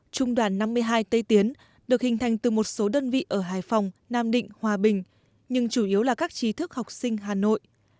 trung đoàn năm mươi hai tây tiến được hình thành từ một số đơn vị ở hải phòng nam định hòa bình nhưng chủ yếu là các trí thức học sinh hà nội